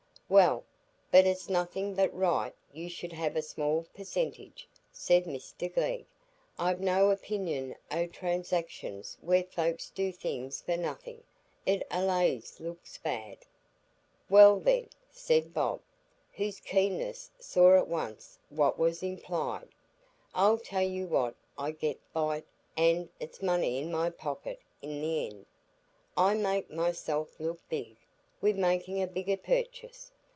"Well, but it's nothing but right you should have a small percentage," said Mr Glegg. "I've no opinion o' transactions where folks do things for nothing. It allays looks bad." "Well, then," said Bob, whose keenness saw at once what was implied, "I'll tell you what I get by't, an' it's money in my pocket in the end,—I make myself look big, wi' makin' a bigger purchase.